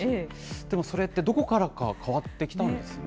でもそれって、どこからか変わってきたんですね。